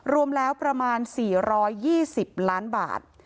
รวมแล้วประมาณ๔๒๐ล้านบาท